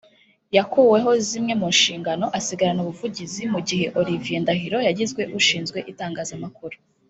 yakuweho zimwe mu nshingano asigarana Ubuvugizi mu gihe Olivier Ndahiro yagizwe ushinzwe Itangazamakuru